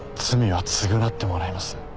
罪は償ってもらいます。